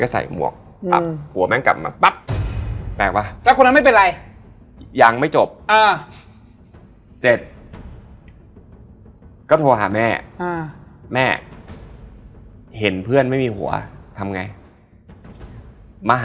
สักพักพอเรากลับมาใช่ไหม